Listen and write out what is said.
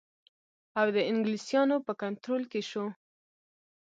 اَوَد د انګلیسیانو په کنټرول کې شو.